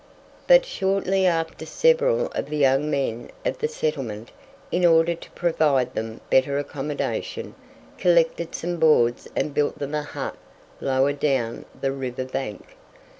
But shortly after several of the young men of the settlement, in order to provide them better accommodation, collected some boards and built them a hut lower down the river bank.